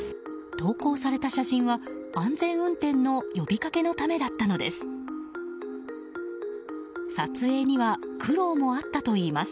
投稿された写真は、安全運転の呼びかけのためだったのです。